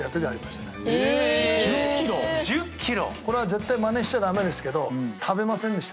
これは絶対まねしちゃ駄目ですけど。